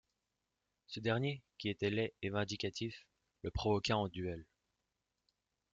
Ce dernier, qui était laid et vindicatif, le provoqua en duel.